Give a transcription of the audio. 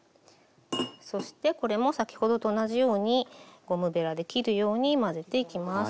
そしてこれも先ほどと同じようにゴムべらで切るように混ぜていきます。